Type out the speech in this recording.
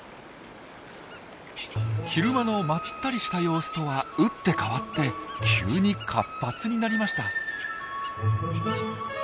昼間のまったりした様子とは打って変わって急に活発になりました。